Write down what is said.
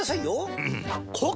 うん！